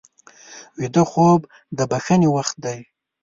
ویده خوب د بښنې وخت دی